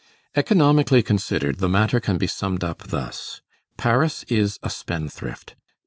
Economically considered, the matter can be summed up thus: Paris is a spendthrift.